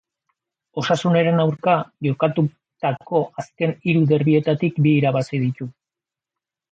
Osasunaren aurka jokatutako azken hiru derbietatik bi irabazi ditu.